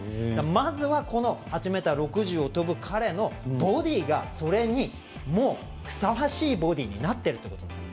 まずは、この８ｍ６０を跳ぶ彼のボディーがそれにふさわしいボディーになってるということです。